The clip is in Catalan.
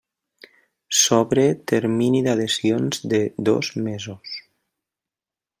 S'obre termini d'adhesions de dos mesos.